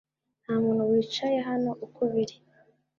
Nta muntu wicaye hano uko biri